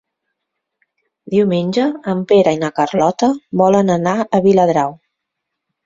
Diumenge en Pere i na Carlota volen anar a Viladrau.